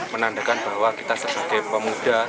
menandakan bahwa kita sebagai pemuda